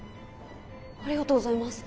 ありがとうございます。